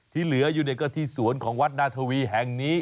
ที่เหลืออยู่เนี่ยก็ที่สวนของวัดนาธวีแห่งนี้